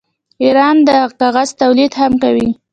ایران د کاغذ تولید هم کوي.